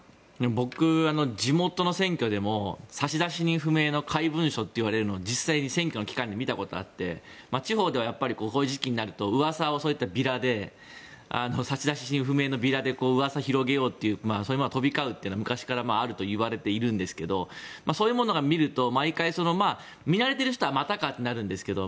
僕、地元の選挙でも差出人不明の怪文書といわれるのを実際に選挙の期間に見たことがあって地方ではそういう時期になるとうわさをそういったビラで差出人不明のビラでうわさを広げようという飛び交うのが昔からあるといわれているんですがそういうものを見ると毎回、見慣れている人はまたかと思うんですけど